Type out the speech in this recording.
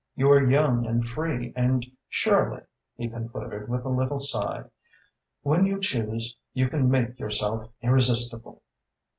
You are young and free, and surely," he concluded, with a little sigh, "when you choose you can make yourself irresistible."